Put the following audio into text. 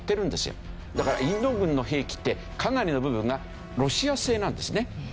だからインド軍の兵器ってかなりの部分がロシア製なんですね。